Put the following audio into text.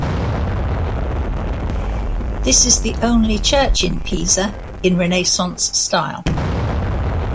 This is the only church in Pisa in Renaissance style.